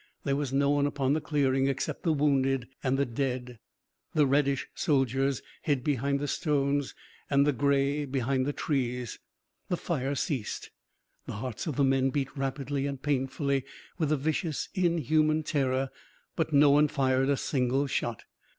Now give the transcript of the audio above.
There was no one upon the clearing except the wounded, and the dead. The reddish soldiers hid behind the stones and the grey behind the trees. The fire ceased. The hearts of the men beat rapidly and painfully with a vicious inhuman terror, but no one fired a single shot.